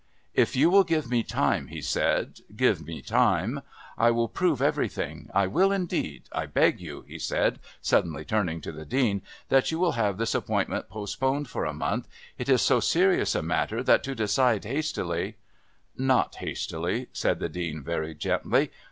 "If you will give me time," he said. "Give me time. I will prove everything, I will indeed. I beg you," he said, suddenly turning to the Dean, "that you will have this appointment postponed for a month. It is so serious a matter that to decide hastily " "Not hastily," said the Dean very gently.